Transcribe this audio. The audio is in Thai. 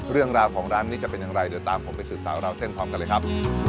เรื่องราวของร้านนี้จะเป็นอย่างไรเดี๋ยวตามผมไปสืบสาวราวเส้นพร้อมกันเลยครับ